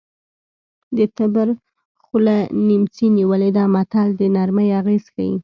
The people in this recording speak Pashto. د تبر خوله نیمڅي نیولې ده متل د نرمۍ اغېز ښيي